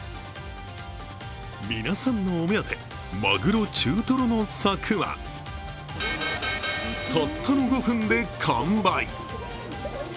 皆さんのお目当て、マグロ中トロの柵はたったの５分で完売。